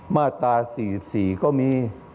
มาตรา๔๔ก็มี